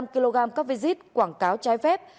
ba mươi năm kg các visit quảng cáo trái phép